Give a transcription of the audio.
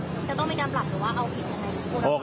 จะต้องมีการปรับหรือว่าเอาผิดของมนุษย์ปกติ